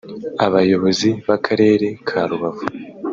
Abayobozi b’Akarere ka Rubavu